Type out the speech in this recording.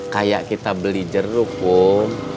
kayak kita beli jeruk bung